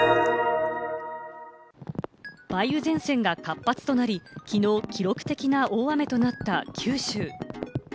梅雨前線が活発となり、きのう記録的な大雨となった九州。